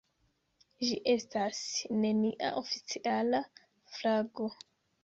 Ĝi estas nenia oficiala flago.